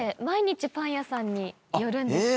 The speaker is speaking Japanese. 毎日パン屋さんに寄るの？